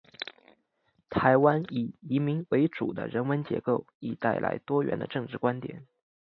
台湾以移民为主的人文结构，亦带来多元的政治观点。